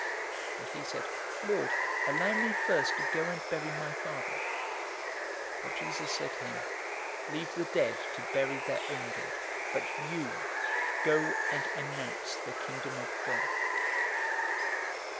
But he said, "Lord, allow me first to go and bury my father." 009:060 But Jesus said to him, "Leave the dead to bury their own dead, but you go and announce the Kingdom of God."